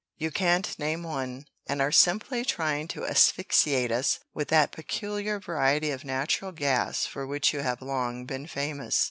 "You can't name one, and are simply trying to asphyxiate us with that peculiar variety of natural gas for which you have long been famous."